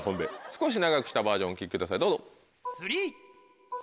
少し長くしたバージョンお聴きくださいどうぞ。